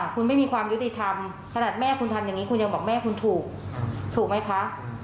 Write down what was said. คุณไม่มีความยุติธรรมขนาดแม่คุณทำอย่างนี้คุณยังบอกแม่คุณถูกถูกไหมคะ